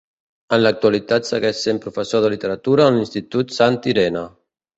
En l'actualitat segueix sent professor de literatura en l'Institut Santa Irene.